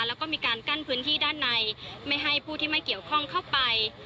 แล้วก็มีการกั้นพื้นที่ด้านในไม่ให้ผู้ที่ไม่เกี่ยวข้องเข้าไป